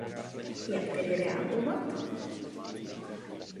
Jak tedy reagovat?